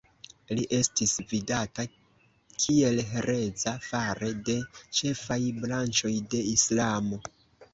Li estis vidata kiel hereza fare de ĉefaj branĉoj de Islamo.